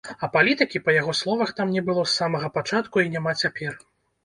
А палітыкі, па яго словах там не было з самага пачатку і няма цяпер.